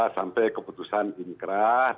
sampai keputusan ingkeras